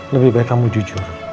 lebih baik kamu jujur